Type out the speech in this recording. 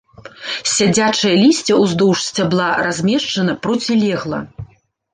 Сядзячае лісце ўздоўж сцябла размешчана процілегла.